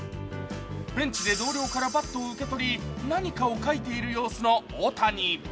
ベンチで同僚からバットを受け取り何かを書いている様子の大谷。